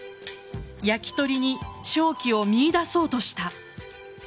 焼き鳥に商機を見い出そうとした。